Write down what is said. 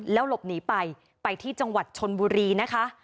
แล้วหลบหนีไปไปที่จังหวัดชนบุรีนะคะ